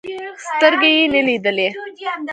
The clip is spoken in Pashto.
سترګې يې نه لیدلې.